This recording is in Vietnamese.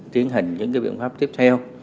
tiến hành những cái biện pháp tiếp theo